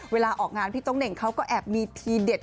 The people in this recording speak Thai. เวลาออกงานพี่โต๊เน่งเขาก็แอบมีทีเด็ด